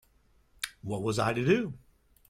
What was I to do?